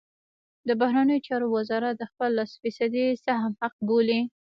د بهرنیو چارو وزارت د خپل لس فیصدۍ سهم حق بولي.